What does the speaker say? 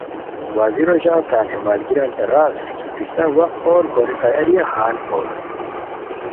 وزیرو ژور تان ہے ملگریانتے را اسور کی پِسہ وا قون کوری تیاریہ ہال بور